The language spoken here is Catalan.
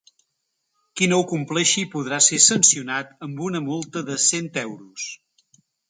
Qui no ho compleixi podrà ser sancionat amb una multa de cent euros.